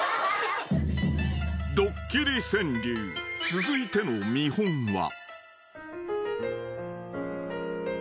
［続いての見本は］